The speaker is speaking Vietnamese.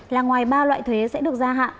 là ngoài ba loại thuế sẽ được gia hạn